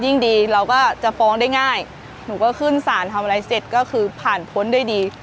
ยิ่งดีเราก็จะฟ้องได้ง่ายหนูก็ขึ้นสารทำอะไรเสร็จก็คือผ่านพ้นด้วยดี